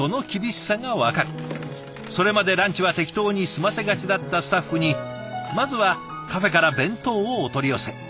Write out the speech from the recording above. それまでランチは適当に済ませがちだったスタッフにまずはカフェから弁当をお取り寄せ。